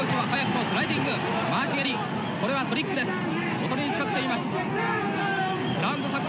おとりに使っています。